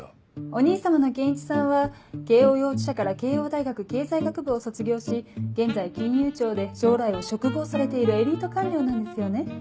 お兄様の憲一さんは慶應幼稚舎から慶應大学経済学部を卒業し現在金融庁で将来を嘱望されているエリート官僚なんですよね。